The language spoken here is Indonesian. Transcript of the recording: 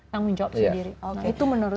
tanggung jawab sendiri